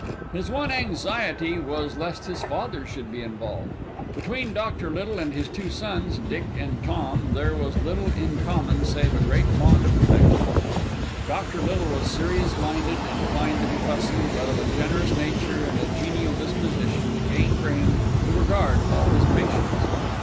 His one anxiety was lest his father should be involved. Between Dr. Little and his two sons, Dick and Tom, there was little in common save a great bond of affection. Dr. Little was serious minded, inclined to be fussy, but of a generous nature and a genial disposition that gained for him the regard of all his patients.